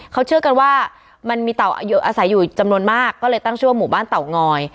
เขาเชื่อกันว่ามันมีเต่าอาศัยอยู่จำนวนมากก็เลยตั้งชื่อว่าหมู่บ้านเตางอย